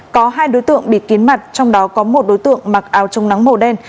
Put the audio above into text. có hai đối tượng bị kiến mặt trong đó có một đối tượng mặc áo trông nắng màu đen